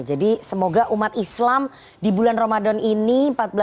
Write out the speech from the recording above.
jadi semoga umat islam di bulan ramadan ini